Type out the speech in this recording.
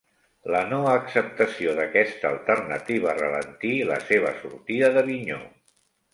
La no acceptació d'aquesta alternativa ralentí la seva sortida d'Avinyó.